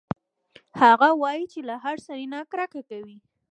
هغه وايي چې له هر سړي نه کرکه کوي